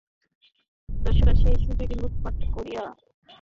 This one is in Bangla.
দস্যুরা সেই সুযোগে লুটপাট করিয়া অরণ্যে-পর্বতে অন্তর্ধান করিল।